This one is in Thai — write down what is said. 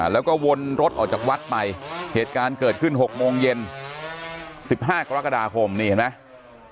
แล้วก็วนรถออกจากวัดไปเหตุการณ์เกิดขึ้น๖โมงเย็น๑๕กรกฎาคมนี่เห็นไหม